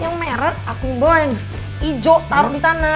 yang merah aku bawa yang ijo taruh di sana